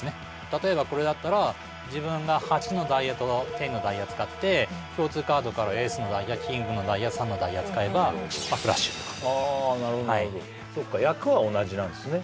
例えばこれだったら自分が８のダイヤと１０のダイヤ使って共通カードからエースのダイヤキングのダイヤ３のダイヤを使えばフラッシュとか役は同じなんですね